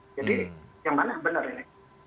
jadi yang mana benar ini